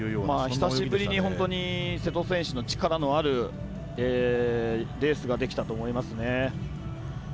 久しぶりに瀬戸選手の力のあるレースができたと思いますね。